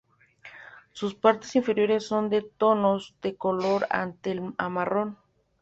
Sus partes inferiores son de tonos de color ante a marrón.